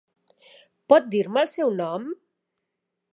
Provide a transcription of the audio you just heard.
Pot dir-me el seu nom?